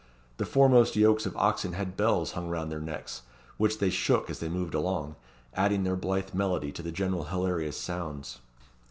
The foremost yokes of oxen had bells hung round their necks, which they shook as they moved along, adding their blithe melody to the general hilarious sounds.